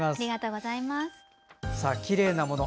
きれいなもの